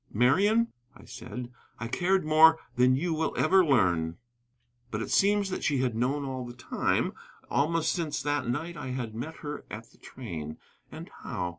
"Marian," I said, "I cared more than you will ever learn." But it seems that she had known all the time, almost since that night I had met her at the train. And how?